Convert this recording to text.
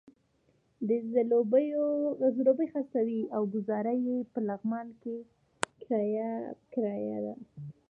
دی ځلوبۍ خرڅوي او ګوزاره یې په لغمان کې په کرايه ده.